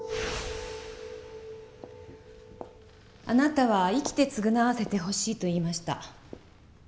あなたは「生きて償わせてほしい」と言いました。